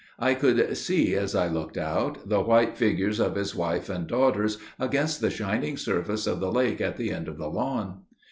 I could see, as I looked out, the white figures of his wife and daughters against the shining surface of the lake at the end of the lawn.